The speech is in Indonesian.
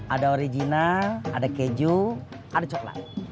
ada origina ada keju ada coklat